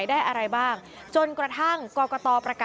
ไอหนูเจ๊งแน่